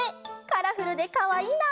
カラフルでかわいいな！